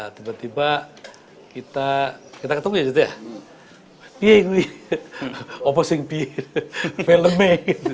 tiba tiba kita ketemu ya oposing pi veleme